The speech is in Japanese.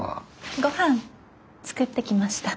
ごはん作ってきました。